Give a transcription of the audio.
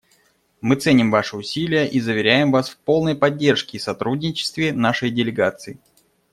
Мы ценим ваши усилия и заверяем вас в полной поддержке и сотрудничестве нашей делегации.